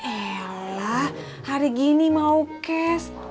elah hari gini mau cash